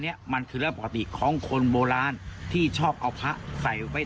เนี้ยมันคือเรื่องปกติของคนโบราณที่ชอบเอาพระใส่ไว้